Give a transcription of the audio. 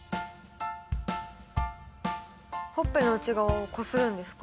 ほっぺの内側をこするんですか？